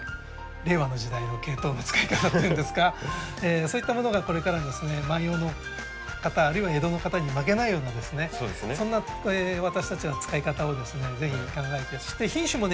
令和の時代のケイトウの使い方っていうんですかそういったものがこれからですね万葉の方あるいは江戸の方に負けないようなそんな私たちは使い方をぜひ考えてそして品種もね